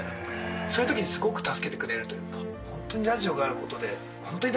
そういう時にすごく助けてくれるというか。